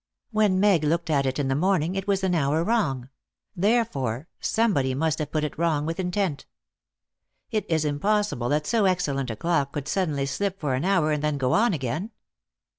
When Meg looked at it in the morning, it was an hour wrong; therefore, somebody must have put it wrong with intent. It is impossible that so excellent a clock could suddenly slip for an hour, and then go on again.